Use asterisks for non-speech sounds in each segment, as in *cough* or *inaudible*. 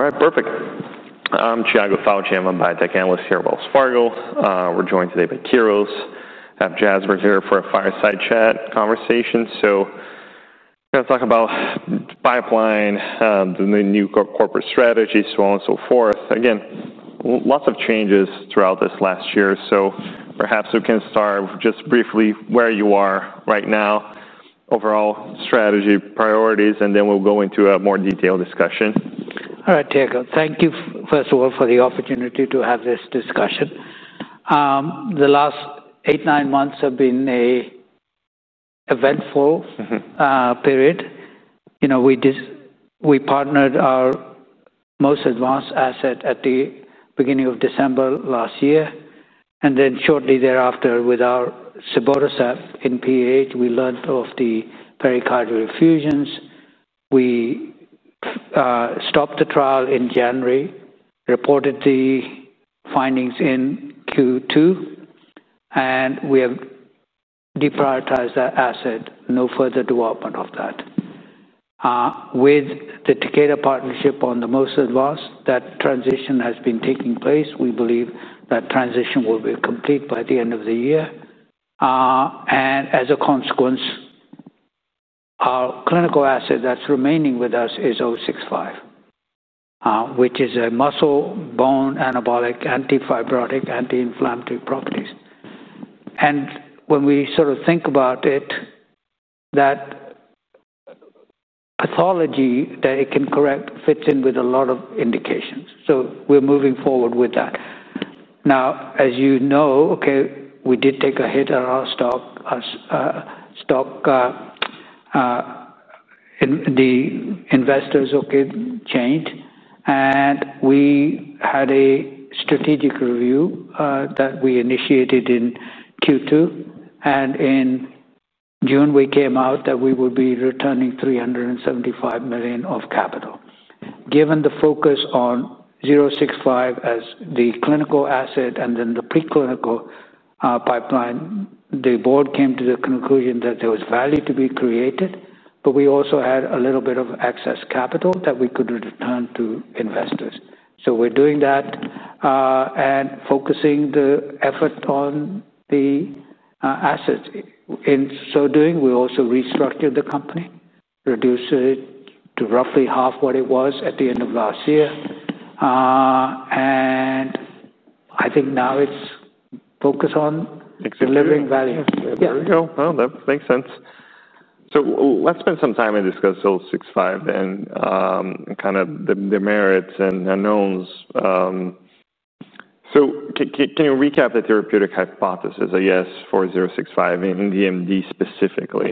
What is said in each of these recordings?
All right, perfect. I'm Thiago Fauci, I'm a biotech analyst here at Wells Fargo. We're joined today by Keros. I have Jasbir Seehra here for a fireside chat conversation. We're going to talk about pipeline, the new corporate strategy, so on and so forth. Again, lots of changes throughout this last year. Perhaps we can start with just briefly where you are right now, overall strategy priorities, and then we'll go into a more detailed discussion. All right, Thiago, thank you first of all for the opportunity to have this discussion. The last eight, nine months have been an eventful period. We partnered our most advanced asset at the beginning of December last year, and then shortly thereafter with our cibotercept in PAH, we learned of the pericardial effusions. We stopped the trial in January, reported the findings in Q2, and we have deprioritized that asset. No further development of that. With the Takeda partnership on the [most advanced], that transition has been taking place. We believe that transition will be complete by the end of the year. As a consequence, our clinical asset that's remaining with us is KER-065, which is a muscle bone anabolic, antifibrotic, anti-inflammatory properties. When we sort of think about it, that pathology that it can correct fits in with a lot of indications. We're moving forward with that. Now, as you know, we did take a hit on our stock. The investors changed. We had a strategic review that we initiated in Q2. In June, we came out that we would be returning $375 million of capital. Given the focus on KER-065 as the clinical asset and then the preclinical pipeline, the board came to the conclusion that there was value to be created, but we also had a little bit of excess capital that we could return to investors. We're doing that and focusing the effort on the assets. In so doing, we also restructured the company, reduced it to roughly half what it was at the end of last year. I think now it's focused on delivering value. There we go. That makes sense. Let's spend some time and discuss KER-065 and kind of the merits and unknowns. Can you recap the therapeutic hypothesis, I guess, for KER-065 in DMD specifically?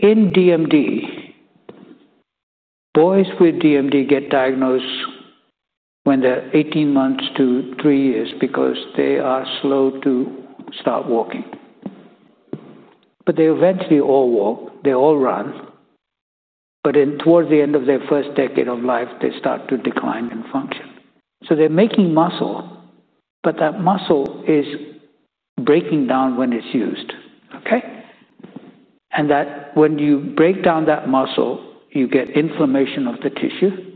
In DMD, boys with DMD get diagnosed when they're 18 months to three years because they are slow to start walking. They eventually all walk, they all run, but towards the end of their first decade of life, they start to decline in function. They're making muscle, but that muscle is breaking down when it's used. When you break down that muscle, you get inflammation of the tissue,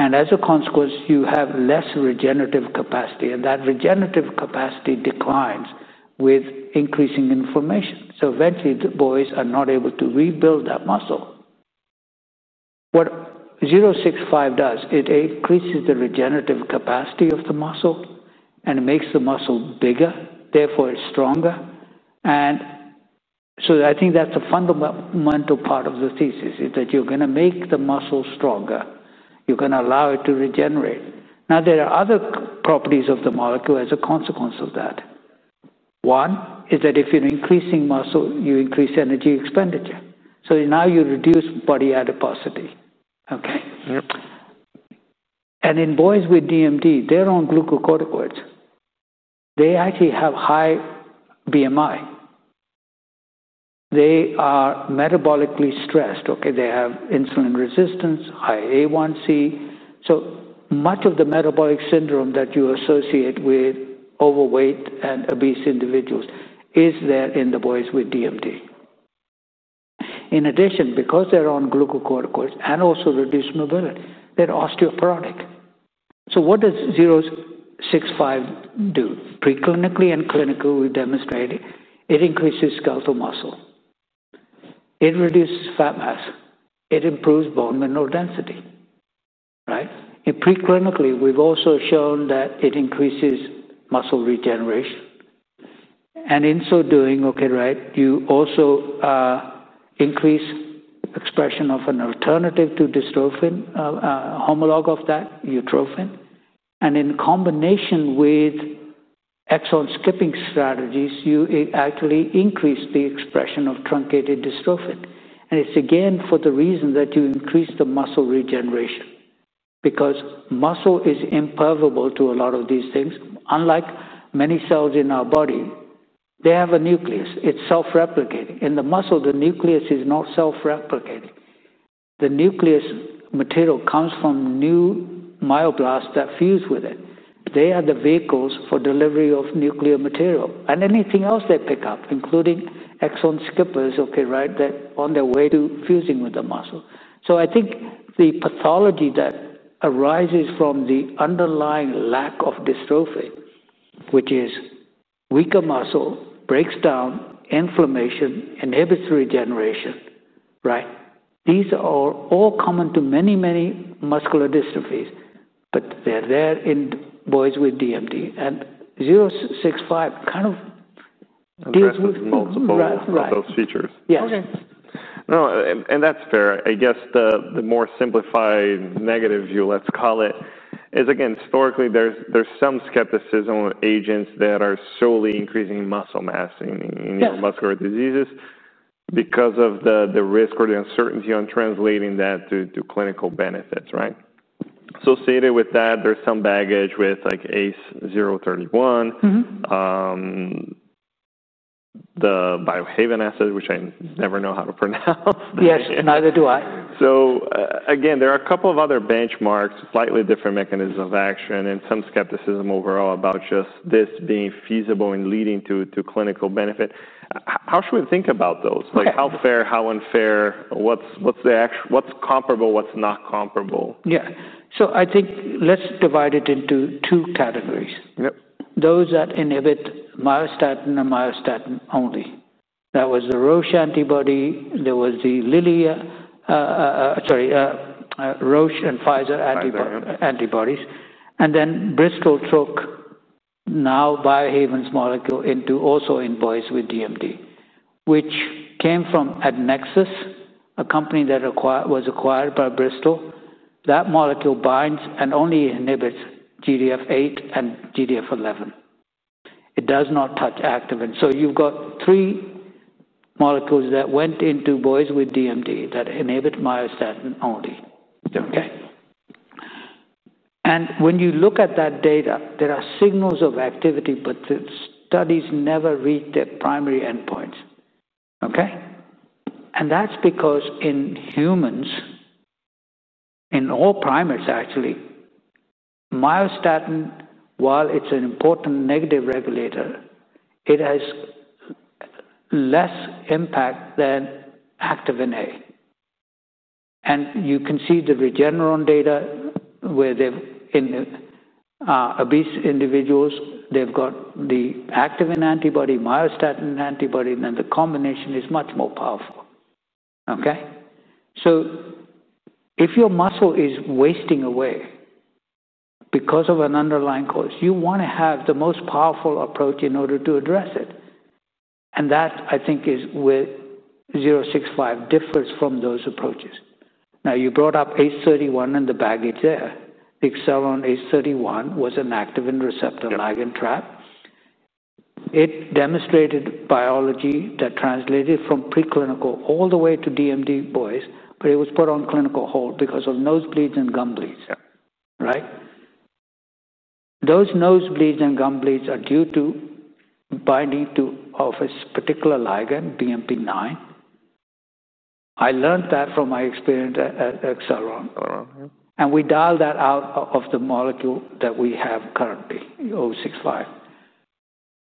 and as a consequence, you have less regenerative capacity. That regenerative capacity declines with increasing inflammation. Eventually, the boys are not able to rebuild that muscle. What KER-065 does is it increases the regenerative capacity of the muscle, and it makes the muscle bigger. Therefore, it's stronger. I think that's a fundamental part of the thesis: you're going to make the muscle stronger, you're going to allow it to regenerate. There are other properties of the molecule as a consequence of that. One is that if you're increasing muscle, you increase energy expenditure, so now you reduce body adiposity. In boys with DMD, they're on glucocorticoids. They actually have high BMI, they are metabolically stressed, they have insulin resistance, high A1C. Much of the metabolic syndrome that you associate with overweight and obese individuals is there in the boys with DMD. In addition, because they're on glucocorticoids and also have reduced mobility, they're osteoporotic. What does KER-065 do? Preclinically and clinically, we demonstrate it increases skeletal muscle, it reduces fat mass, it improves bone mineral density. Preclinically, we've also shown that it increases muscle regeneration. In so doing, you also increase the expression of an alternative to dystrophin, a homolog of that, utrophin. In combination with exon skipping strategies, you actually increase the expression of truncated dystrophin. It's again for the reason that you increase the muscle regeneration because muscle is impervable to a lot of these things. Unlike many cells in our body, they have a nucleus. It's self-replicating. In the muscle, the nucleus is not self-replicating. The nuclear material comes from new myoblasts that fuse with it. They are the vehicles for delivery of nuclear material and anything else they pick up, including exon skippers, on their way to fusing with the muscle. I think the pathology that arises from the underlying lack of dystrophin, which is weaker muscle, breaks down, inflammation, inhibits regeneration, these are all common to many, many muscular dystrophies, but they're there in boys with DMD. KER-065 kind of deals. *crosstalk* *crosstalk* those features. Right, right, right. Okay. No, and that's fair. I guess the more simplified negative view, let's call it, is again, historically, there's some skepticism of agents that are solely increasing muscle mass in neuromuscular diseases because of the risk or the uncertainty on translating that to clinical benefits, right? Associated with that, there's some baggage with like ACE-031, the Biohaven asset, which I never know how to pronounce. Yes, neither do I. There are a couple of other benchmarks, slightly different mechanisms of action, and some skepticism overall about just this being feasible and leading to clinical benefit. How should we think about those? Like how fair, how unfair, what's comparable, what's not comparable? Yeah. I think let's divide it into two categories. Those that inhibit myostatin and myostatin only. That was the Roche antibody, there was the Lilly, sorry, Roche and Pfizer antibodies. Bristol took now Biohaven's molecule also into boys with DMD, which came from Adnexus, a company that was acquired by Bristol. That molecule binds and only inhibits GDF8 and GDF11. It does not touch activin. You've got three molecules that went into boys with DMD that inhibit myostatin only. When you look at that data, there are signals of activity, but the studies never reach their primary endpoints. That's because in humans, in all primates actually, myostatin, while it's an important negative regulator, has less impact than activin A. You can see the Regeneron data where they're in obese individuals, they've got the activin antibody, myostatin antibody, and then the combination is much more powerful. If your muscle is wasting away because of an underlying cause, you want to have the most powerful approach in order to address it. That is where KER-065 differs from those approaches. You brought up ACE-031 and the baggage there. The Acceleron ACE-031 was an activin receptor ligand trap. It demonstrated biology that translated from preclinical all the way to DMD boys, but it was put on clinical hold because of nosebleeds and gum bleeds. Those nosebleeds and gum bleeds are due to binding to a particular ligand, BMP9. I learned that from my experience at Acceleron. We dialed that out of the molecule that we have currently, KER-065.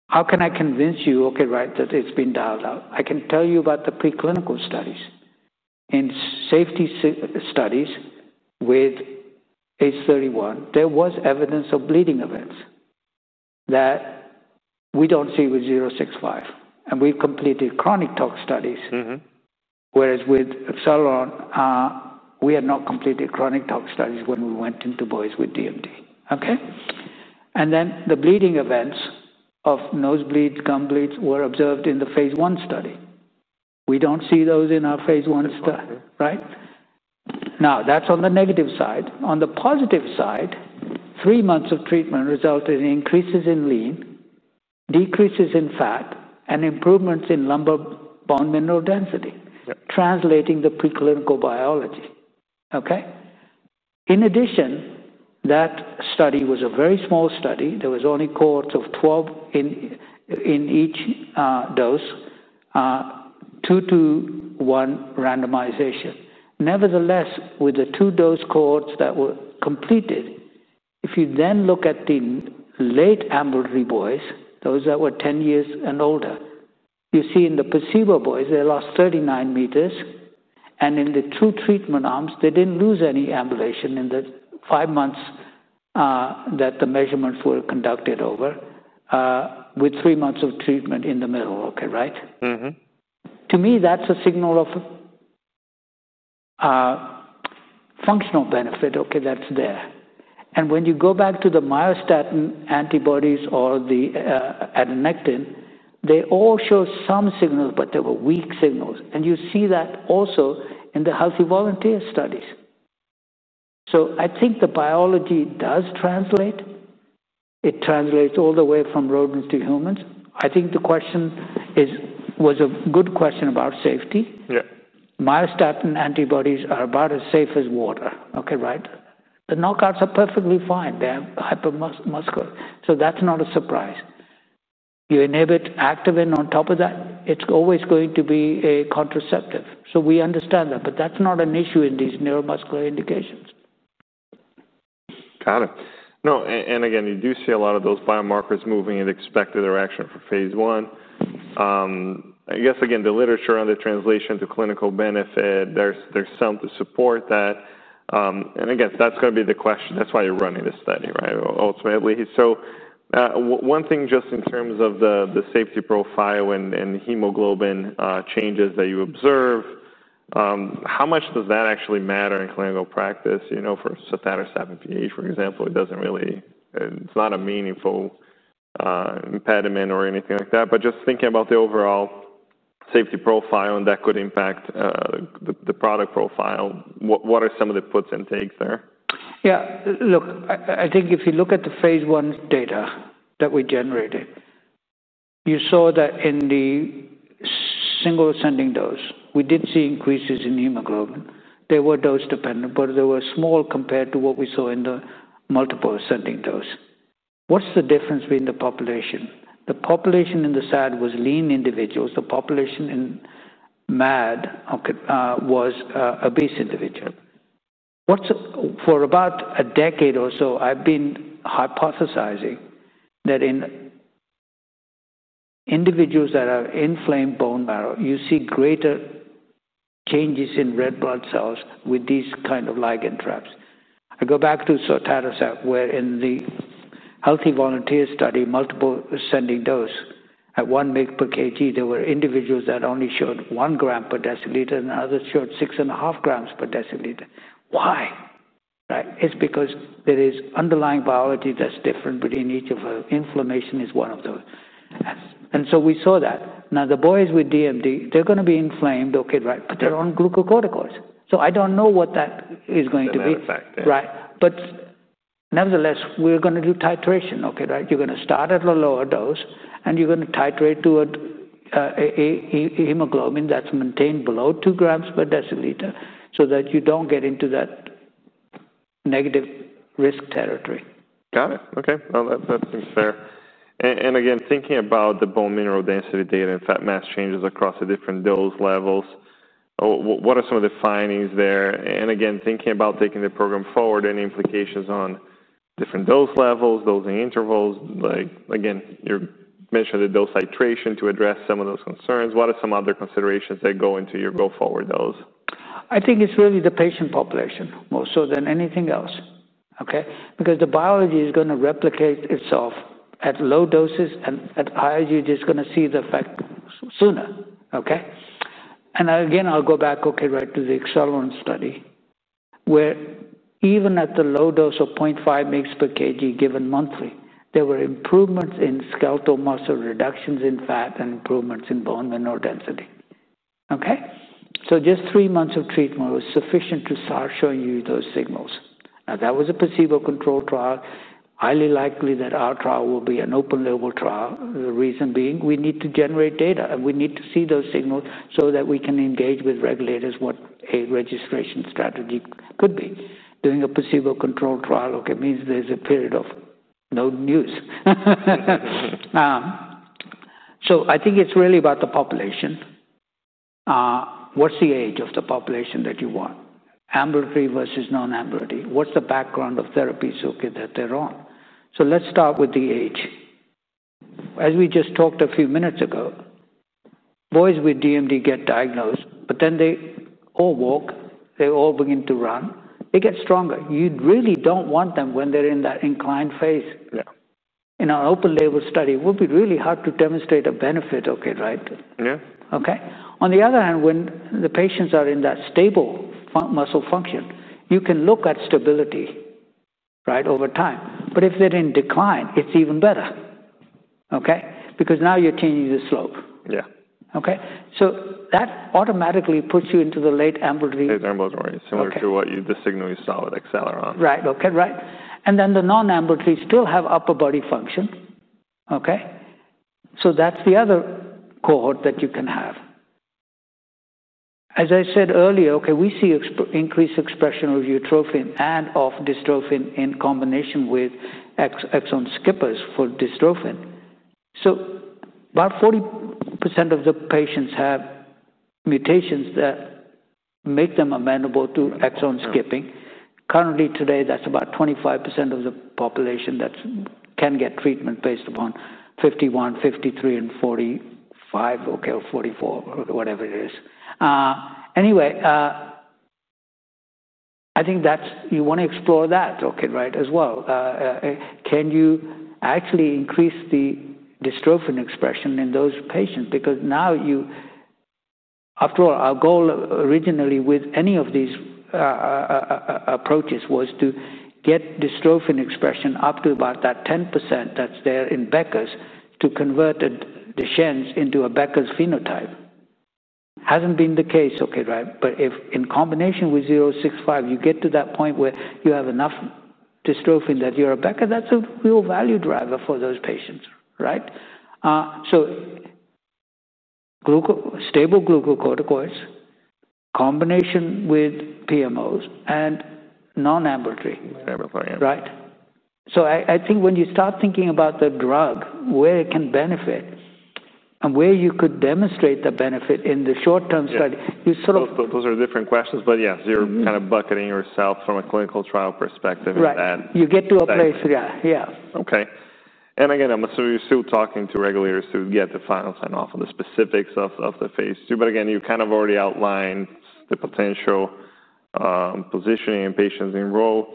How can I convince you that it's been dialed out? I can tell you about the preclinical studies. In safety studies with ACE-031, there was evidence of bleeding events that we don't see with KER-065. We've completed chronic tox studies. Whereas with Acceleron, we had not completed chronic tox studies when we went into boys with DMD. The bleeding events of nosebleeds, gum bleeds were observed in the phase I study. We don't see those in our phase I study. That's on the negative side. On the positive side, three months of treatment resulted in increases in lean, decreases in fat, and improvements in lumbar bone mineral density, translating the preclinical biology. In addition, that study was a very small study. There were only cohorts of 12 in each dose, two to one randomization. Nevertheless, with the two dose cohorts that were completed, if you then look at the late ambulatory boys, those that were 10 years and older, you see in the placebo boys, they lost 39 m. In the true treatment arms, they didn't lose any ambulation in the five months that the measurements were conducted over, with three months of treatment in the middle. To me, that's a signal of functional benefit. That's there. When you go back to the myostatin antibodies or the adenectin, they all show some signals, but they were weak signals. You see that also in the healthy volunteer studies. I think the biology does translate. It translates all the way from rodents to humans. I think the question was a good question about safety. Myostatin antibodies are about as safe as water. The knockouts are perfectly fine. They're hypermuscular. That's not a surprise. You inhibit activin on top of that. It's always going to be a contraceptive. We understand that. That's not an issue in these neuromuscular indications. Got it. No, you do see a lot of those biomarkers moving in the expected direction for phase I. I guess the literature on the translation to clinical benefit, there's some to support that. That's going to be the question. That's why you're running the study, right, ultimately. One thing just in terms of the safety profile and hemoglobin changes that you observe, how much does that actually matter in clinical practice? You know, for pulmonary arterial hypertension, for example, it doesn't really, it's not a meaningful impediment or anything like that. Just thinking about the overall safety profile and how that could impact the product profile, what are some of the puts and takes there? Yeah, look, I think if you look at the phase I data that we generated, you saw that in the single ascending dose, we did see increases in hemoglobin. They were dose dependent, but they were small compared to what we saw in the multiple ascending dose. What's the difference between the population? The population in the SAD was lean individuals. The population in MAD was obese individuals. For about a decade or so, I've been hypothesizing that in individuals that have inflamed bone marrow, you see greater changes in red blood cells with these kinds of ligand traps. I go back to sotatercept, where in the healthy volunteer study, multiple ascending dose, at 1 mg per kg, there were individuals that only showed 1 g per dL, and others showed 6.5 g per dL. Why? It's because there is underlying biology that's different between each of those. Inflammation is one of those. We saw that. Now, the boys with DMD, they're going to be inflamed, right, but they're on glucocorticoids. I don't know what that is going to be. Right. Nevertheless, we're going to do titration, right? You're going to start at a lower dose, and you're going to titrate to a hemoglobin that's maintained below 2 g per dL so that you don't get into that negative risk territory. Got it. Okay. That seems fair. Again, thinking about the bone mineral density data and fat mass changes across the different dose levels, what are some of the findings there? Again, thinking about taking the program forward, any implications on different dose levels, dosing intervals, like you mentioned the dose titration to address some of those concerns. What are some other considerations that go into your go forward dose? I think it's really the patient population, more so than anything else. The biology is going to replicate itself at low doses, and at higher doses, you're just going to see the effect sooner. I'll go back right to the Acceleron study, where even at the low dose of 0.5 mg per kg given monthly, there were improvements in skeletal muscle, reductions in fat, and improvements in bone mineral density. Just three months of treatment was sufficient to start showing you those signals. That was a placebo control trial. Highly likely that our trial will be an open label trial. The reason being, we need to generate data, and we need to see those signals so that we can engage with regulators on what a registration strategy could be. Doing a placebo control trial means there's a period of no news. I think it's really about the population. What's the age of the population that you want? Ambulatory versus non-ambulatory. What's the background of therapies that they're on? Let's start with the age. As we just talked a few minutes ago, boys with DMD get diagnosed, but then they all walk. They all begin to run. They get stronger. You really don't want them when they're in that inclined phase. In an open label study, it would be really hard to demonstrate a benefit, right? Yeah. Okay. On the other hand, when the patients are in that stable muscle function, you can look at stability over time. If they're in decline, it's even better because now you're changing the slope. Yeah. Okay. That automatically puts you into the late ambulatory. Late ambulatory, similar to what the signal you saw with Acceleron. Right, okay, right. The non-ambulatory still have upper body function. That's the other cohort that you can have. As I said earlier, we see increased expression of utrophin and of dystrophin in combination with exon skippers for dystrophin. About 40% of the patients have mutations that make them amenable to exon skipping. Currently, that's about 25% of the population that can get treatment based upon [51, 53, and 45, or 44], or whatever it is. I think you want to explore that, right, as well. Can you actually increase the dystrophin expression in those patients? After all, our goal originally with any of these approaches was to get dystrophin expression up to about that 10% that's there in Becker's to convert the Duchenne's into a Becker's phenotype. Hasn't been the case, right? If in combination with KER-065, you get to that point where you have enough dystrophin that you're a Becker, that's a real value driver for those patients. Stable glucocorticoids, combination with PMOs, and non-ambulatory, right? When you start thinking about the drug, where it can benefit, and where you could demonstrate the benefit in the short-term study, you sort of. Those are different questions, but yes, you're kind of bucketing yourself from a clinical trial perspective in that. Right, you get to a place. Yeah. Okay. I'm assuming you're still talking to regulators to get the final sign-off on the specifics of the phase II, but you kind of already outlined the potential positioning and patients enrolled.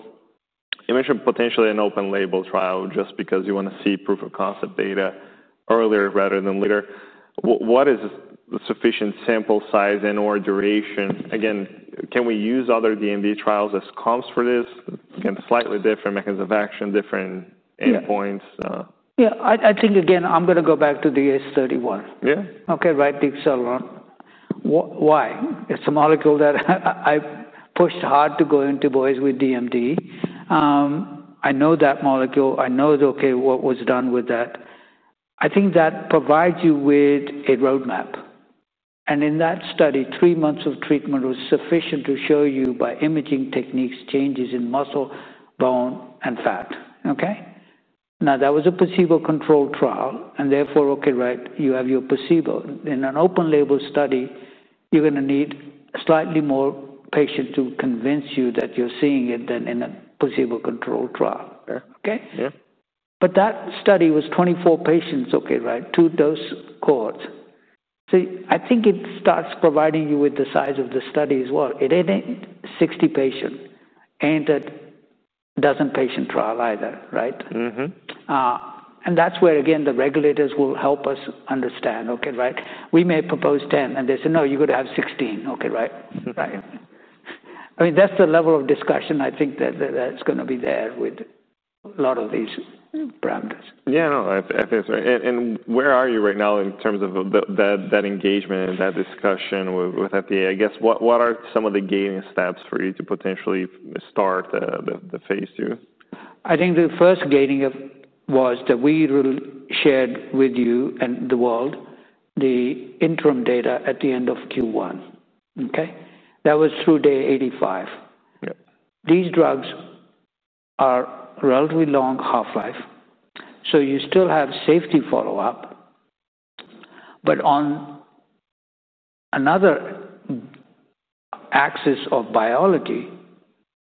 You mentioned potentially an open-label trial just because you want to see proof of concept data earlier rather than later. What is the sufficient sample size and/or duration? Can we use other DMD trials as comps for this? Slightly different mechanisms of action, different endpoints. Yeah, I think again, I'm going to go back to the ACE-031. Yeah. Okay, right, the Acceleron. Why? It's a molecule that I pushed hard to go into boys with DMD. I know that molecule. I know that, okay, what was done with that. I think that provides you with a roadmap. In that study, three months of treatment was sufficient to show you by imaging techniques changes in muscle, bone, and fat. That was a placebo control trial, and therefore, right, you have your placebo. In an open label study, you're going to need slightly more patients to convince you that you're seeing it than in a placebo control trial. Yeah. That study was 24 patients, right, two dose cohorts. I think it starts providing you with the size of the study as well. It ain't 60 patients. Ain't a dozen patient trial either, right? Mm-hmm. That's where, again, the regulators will help us understand, okay, right? We may propose 10, and they say, no, you're going to have 16, okay, right? Right. I mean, that's the level of discussion I think that's going to be there with a lot of these parameters. I think so. Where are you right now in terms of that engagement and that discussion with FDA? What are some of the gaining steps for you to potentially start the phase II? I think the first gain was that we shared with you and the world the interim data at the end of Q1. That was through day 85. These drugs are relatively long half-life, so you still have safety follow-up. On another axis of biology,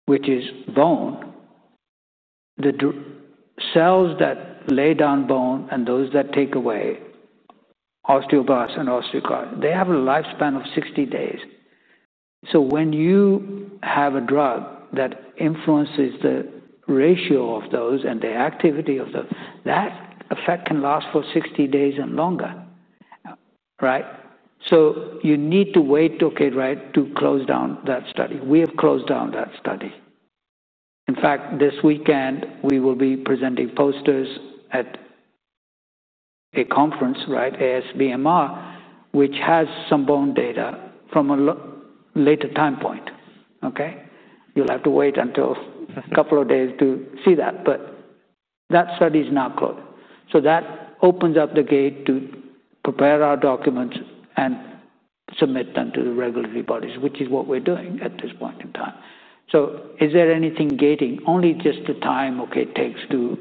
which is bone, the cells that lay down bone and those that take away, osteoblasts and osteoclasts, they have a lifespan of 60 days. When you have a drug that influences the ratio of those and the activity of those, that effect can last for 60 days and longer. You need to wait to close down that study. We have closed down that study. In fact, this weekend, we will be presenting posters at a conference, ASBMR, which has some bone data from a later time point. You'll have to wait a couple of days to see that. That study is now closed. That opens up the gate to prepare our documents and submit them to the regulatory bodies, which is what we're doing at this point in time. Is there anything gating? Only just the time it takes to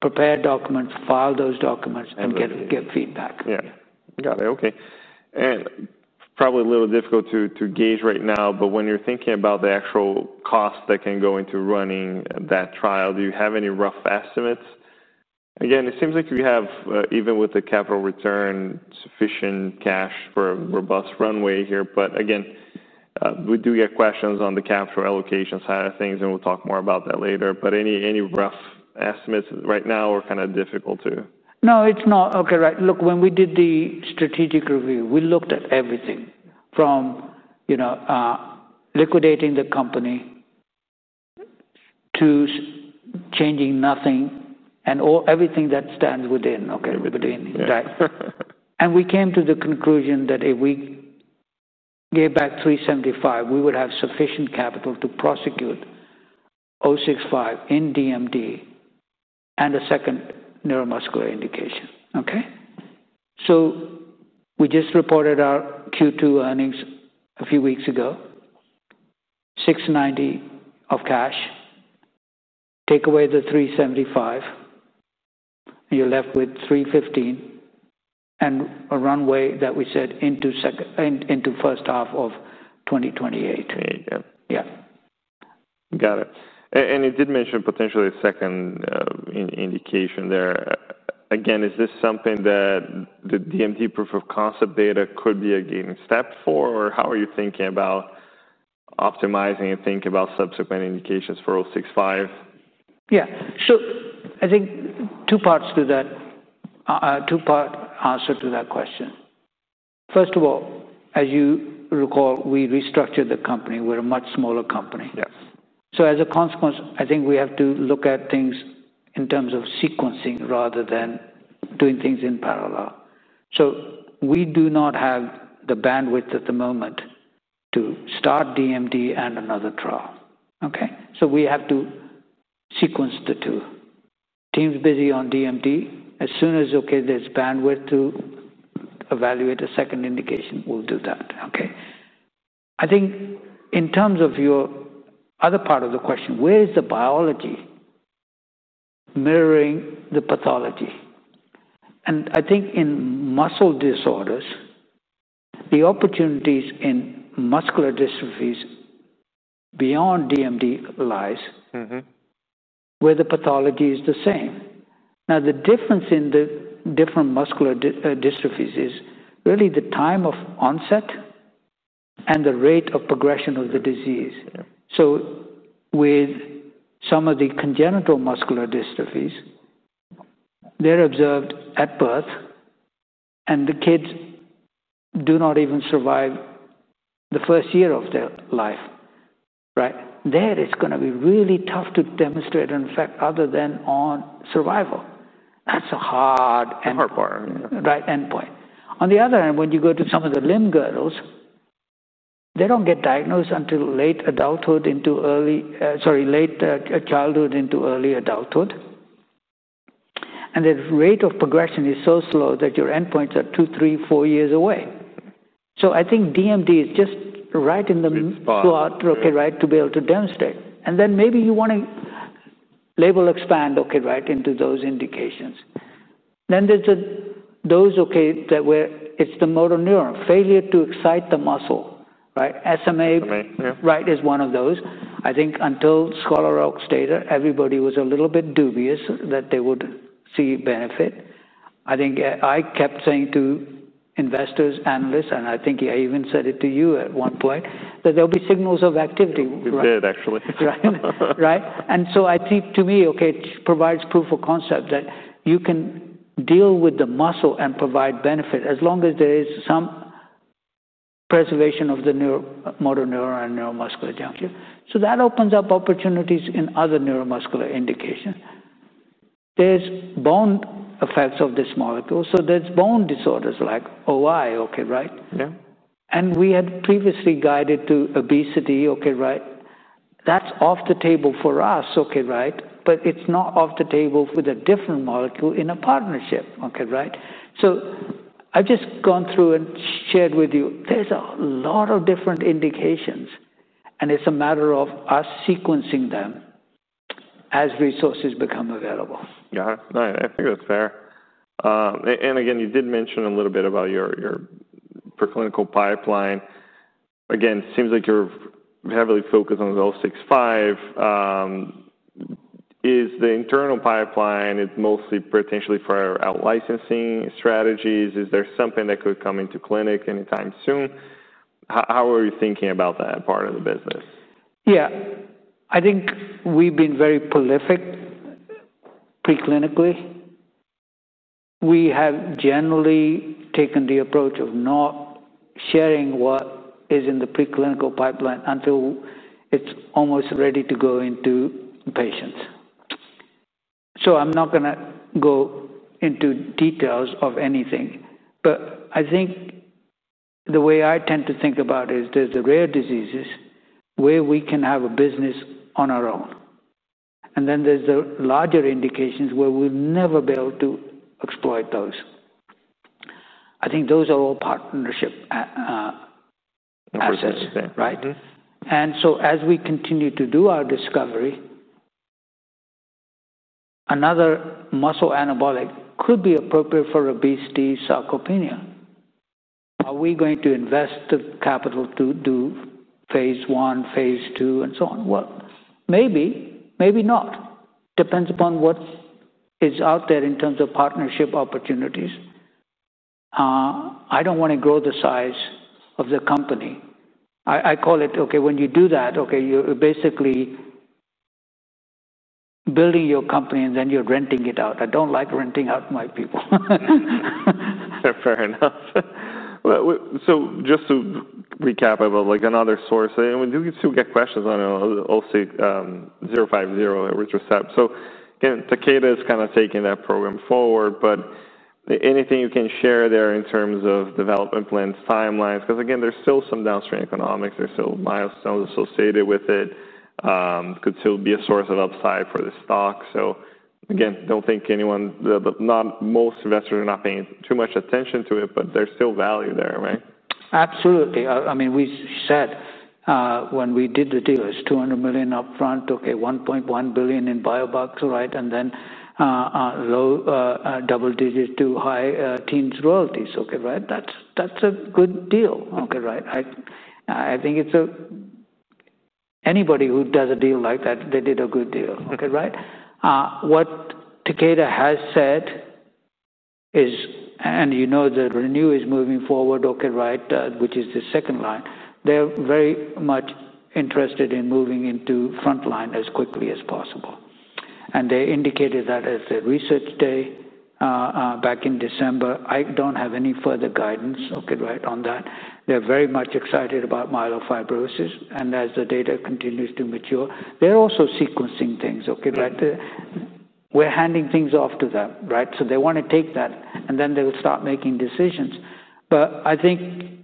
prepare documents, file those documents, and get feedback. Got it. Okay. Probably a little difficult to gauge right now, but when you're thinking about the actual costs that can go into running that trial, do you have any rough estimates? It seems like you have, even with the capital return, sufficient cash for a robust runway here. We do get questions on the capital allocation side of things, and we'll talk more about that later. Any rough estimates right now or kind of difficult to? No, it's not. Okay, right. Look, when we did the strategic review, we looked at everything from, you know, liquidating the company to changing nothing and everything that stands within that. We came to the conclusion that if we gave back $375 million, we would have sufficient capital to prosecute KER-065 in DMD and a second neuromuscular indication. We just reported our Q2 earnings a few weeks ago, $690 million of cash. Take away the $375 million, you're left with $315 million and a runway that we said into first half of 2028. Got it. You did mention potentially a second indication there. Is this something that the DMD proof of concept data could be a gating step for, or how are you thinking about optimizing and thinking about subsequent indications for KER-065? Yeah. I think two parts to that, two-part answer to that question. First of all, as you recall, we restructured the company. We're a much smaller company. As a consequence, I think we have to look at things in terms of sequencing rather than doing things in parallel. We do not have the bandwidth at the moment to start DMD and another trial. We have to sequence the two. Team's busy on DMD. As soon as there's bandwidth to evaluate a second indication, we'll do that. I think in terms of your other part of the question, where is the biology mirroring the pathology? I think in muscle disorders, the opportunities in muscular dystrophies beyond DMD lie where the pathology is the same. The difference in the different muscular dystrophies is really the time of onset and the rate of progression of the disease. With some of the congenital muscular dystrophies, they're observed at birth, and the kids do not even survive the first year of their life. There, it's going to be really tough to demonstrate an effect other than on survival. That's a hard endpoint. On the other hand, when you go to some of the limb girdles, they don't get diagnosed until late childhood into early adulthood, and the rate of progression is so slow that your endpoints are two, three, four years away. I think DMD is just right in the spot to be able to demonstrate. Maybe you want to label expand into those indications. Then there's those where it's the motor neuron, failure to excite the muscle. SMA is one of those. I think until [Scholar Rock's] data, everybody was a little bit dubious that they would see benefit. I think I kept saying to investors, analysts, and I think I even said it to you at one point, that there'll be signals of activity. We did, actually. Right. I think to me, it provides proof of concept that you can deal with the muscle and provide benefit as long as there is some preservation of the motor neuron and neuromuscular junction. That opens up opportunities in other neuromuscular indications. There are bone effects of this molecule, so there are bone disorders like OI, right? Yeah. We had previously guided to obesity, right? That's off the table for us, right? It's not off the table with a different molecule in a partnership, right? I've just gone through and shared with you, there's a lot of different indications, and it's a matter of us sequencing them as resources become available. Got it. I think that's fair. You did mention a little bit about your preclinical pipeline. It seems like you're heavily focused on the KER-065. Is the internal pipeline mostly potentially for out-licensing strategies? Is there something that could come into clinic anytime soon? How are you thinking about that part of the business? Yeah. I think we've been very prolific preclinically. We have generally taken the approach of not sharing what is in the preclinical pipeline until it's almost ready to go into patients. I'm not going to go into details of anything, but I think the way I tend to think about it is there's the rare diseases where we can have a business on our own. Then there's the larger indications where we'll never be able to exploit those. I think those are all partnership, right? As we continue to do our discovery, another muscle anabolic could be appropriate for obesity sarcopenia. Are we going to invest the capital to do phase I, phase II, and so on? Maybe, maybe not. It depends upon what is out there in terms of partnership opportunities. I don't want to grow the size of the company. I call it, okay, when you do that, you're basically building your company and then you're renting it out. I don't like renting out my people. Fair enough. Just to recap, I have another source. We do get some questions on KER-050 elritercept. Takeda is taking that program forward, but anything you can share there in terms of development plans, timelines, because again, there's still some downstream economics. There's still milestones associated with it. It could still be a source of upside for the stock. I don't think most investors are paying too much attention to it, but there's still value there, right? Absolutely. I mean, we said when we did the deal, it's $200 million upfront, $1.1 billion in biobucks, right? And then low double digits to high teens royalties, right? That's a good deal, right? I think anybody who does a deal like that, they did a good deal, right? What Takeda has said is, you know that Renew is moving forward, which is the second line. They're very much interested in moving into frontline as quickly as possible. They indicated that at a research day back in December. I don't have any further guidance on that. They're very much excited about myelofibrosis, and as the data continues to mature, they're also sequencing things, right? We're handing things off to them. They want to take that, and they'll start making decisions. I think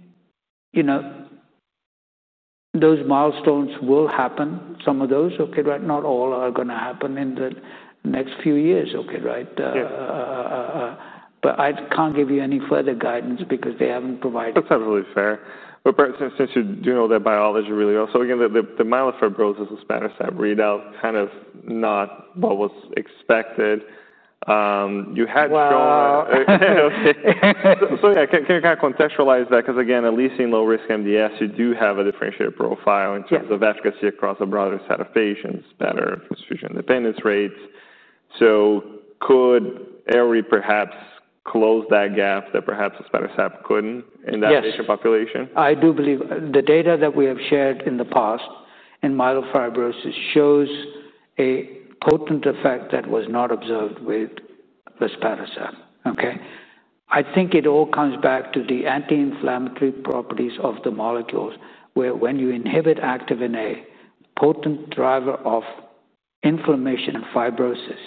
those milestones will happen, some of those, right? Not all are going to happen in the next few years, right? I can't give you any further guidance because they haven't provided. That's totally fair. Since you do know their biology really well, the myelofibrosis with sotatercept readout kind of not what was expected. You had. Can you kind of contextualize that? Because again, at least in low-risk MDS, you do have a differentiated profile in terms of efficacy across a broader set of patients, better excretion dependence rates. Could elri perhaps close that gap that perhaps sotatercept couldn't in that patient population? I do believe the data that we have shared in the past in myelofibrosis shows a potent effect that was not observed with sotatercept. I think it all comes back to the anti-inflammatory properties of the molecules, where when you inhibit activin A, a potent driver of inflammation and fibrosis.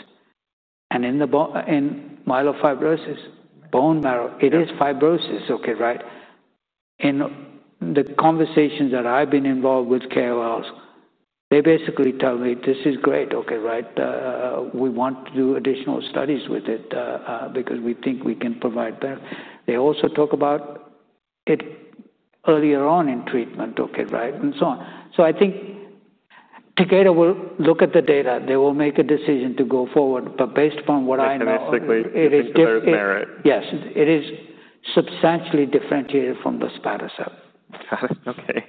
In myelofibrosis, bone marrow, it is fibrosis, right? In the conversations that I've been involved with KOLs, they basically tell me, "This is great, right? We want to do additional studies with it because we think we can provide better." They also talk about it earlier on in treatment, right? I think Takeda will look at the data. They will make a decision to go forward. Based upon what I know, it is different. Yes, it is substantially differentiated from sotatercept. Got it. Okay.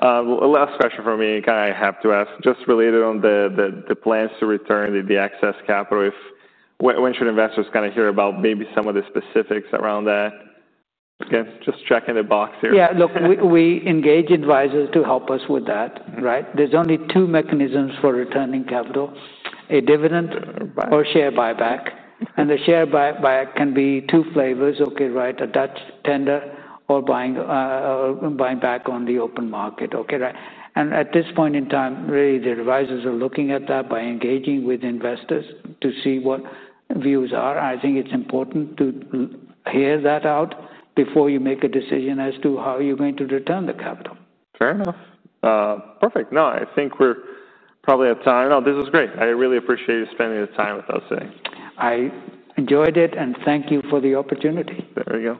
The last question for me, I have to ask, just related on the plans to return the excess capital, when should investors kind of hear about maybe some of the specifics around that? Again, just checking the box here. Yeah, look, we engage advisors to help us with that, right? There are only two mechanisms for returning capital: a dividend or share buyback. The share buyback can be two flavors, right? A Dutch tender or buying back on the open market, right? At this point in time, the advisors are looking at that by engaging with investors to see what views are. I think it's important to hear that out before you make a decision as to how you're going to return the capital. Fair enough. Perfect. No, I think we're probably at time. No, this was great. I really appreciate you spending the time with us today. I enjoyed it, and thank you for the opportunity. There you go.